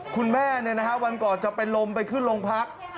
คุณแม่เนี่ยนะคะวันก่อนจะไปลมไปขึ้นโรงพรรค